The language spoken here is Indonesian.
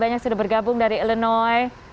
banyak sudah bergabung dari illenoi